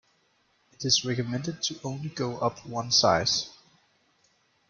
It is recommended to only go up one size.